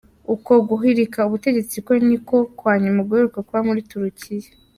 Uko guhirika ubutegetsi kwe niko kwa nyuma guheruka kuba muri Turukiya.